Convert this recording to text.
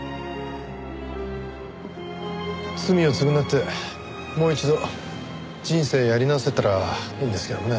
罪を償ってもう一度人生やり直せたらいいんですけどね。